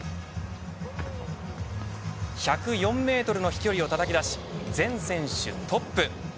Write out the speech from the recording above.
１０４メートルの飛距離をたたき出し全選手トップ。